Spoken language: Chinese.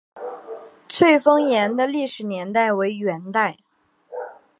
翠峰岩的历史年代为元代。